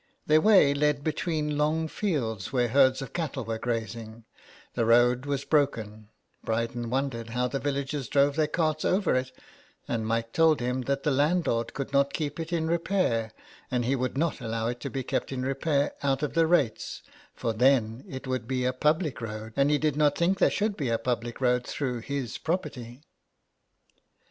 Their way led between long fields where herds of cattle were grazing ; the road was broken — Bryden wondered how the villagers drove their carts over it, and Mike told him that the land lord could not keep it in repair, and he would not allow it to be kept in repair out of the rates, for then it would be a public road, and he did not think there should be a public road through his property.